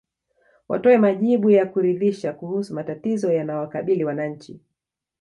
Watoe majibu ya kuridhisha kuhusu matatizo yanayowakabili wananchi